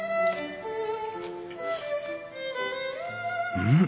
うん！